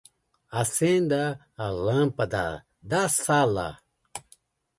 Acenda a lâmpada da sala